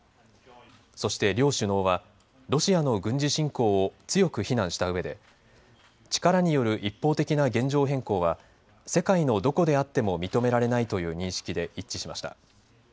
そして両首脳はロシアの軍事侵攻を強く非難したうえで力による一方的な現状変更は世界のどこであっても認められないという認識で一致しました。